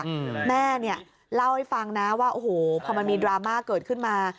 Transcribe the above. อืมแม่เนี้ยเล่าให้ฟังนะว่าโอ้โหพอมันมีดราม่าเกิดขึ้นมา